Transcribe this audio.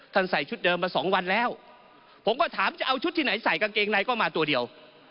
ใส่ชุดเดิมมาสองวันแล้วผมก็ถามจะเอาชุดที่ไหนใส่กางเกงในก็มาตัวเดียว